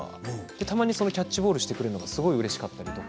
たまにキャッチボールをしてくれるのがすごくうれしかったです。